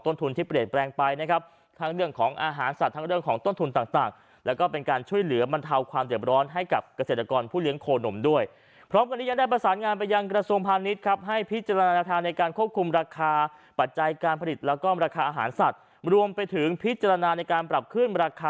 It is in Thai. ทุนที่เปลี่ยนแปลงไปนะครับทั้งเรื่องของอาหารสัตว์ทั้งเรื่องของต้นทุนต่างแล้วก็เป็นการช่วยเหลือบรรเทาความเจ็บร้อนให้กับเกษตรกรผู้เลี้ยงโคนมด้วยพร้อมกันนี้ยังได้ประสานงานไปยังกระทรวงพาณิชย์ครับให้พิจารณาทางในการควบคุมราคาปัจจัยการผลิตแล้วก็ราคาอาหารสัตว์รวมไปถึงพิจารณาในการปรับขึ้นราคา